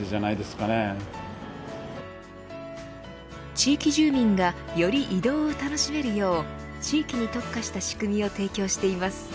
地域住民がより移動を楽しめるよう地域に特化した仕組みを提供しています。